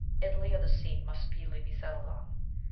Italy or the sea must speedily be settled on.